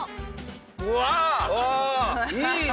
うわいいね！